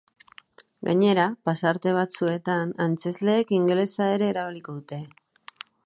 Gainera, pasarte batzuetan antzezleek ingelesa ere erabiliko dute.